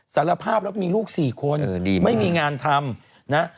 สารภาพแล้วมีลูก๔คนไม่มีงานทำนะ